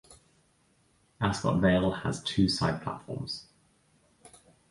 Ascot Vale has two side platforms.